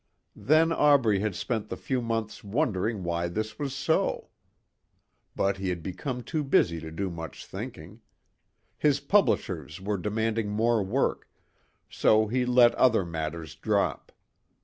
Then Aubrey had spent the few months wondering why this was so. But he had become too busy to do much thinking. His publishers were demanding more work so he let other matters drop.